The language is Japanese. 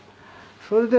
それで」